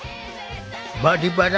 「バリバラ」